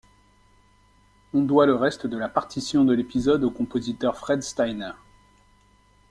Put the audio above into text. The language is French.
On doit le reste de la partition de l'épisode au compositeur Fred Steiner.